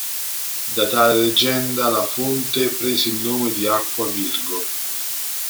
Da tale leggenda la fonte prese il nome di "Aqua Virgo".